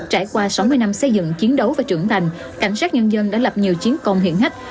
trải qua sáu mươi năm xây dựng chiến đấu và trưởng thành cảnh sát nhân dân đã lập nhiều chiến công hiểch